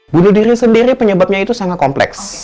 bunuh diri sendiri penyebabnya itu sangat kompleks